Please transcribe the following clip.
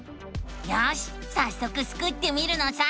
よしさっそくスクってみるのさ！